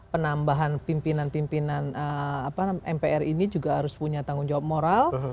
penambahan pimpinan pimpinan mpr ini juga harus punya tanggung jawab moral